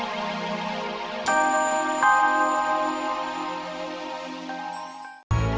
tapi kagak jadi sesuatu yang baik